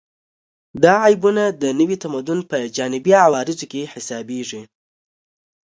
دا عیبونه د نوي تمدن په جانبي عوارضو کې حسابېږي